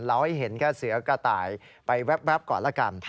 ให้เห็นแค่เสือกระต่ายไปแว๊บก่อนละกัน